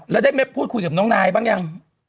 แล้วได้พูดคุยกับน้องนายบ้างยัง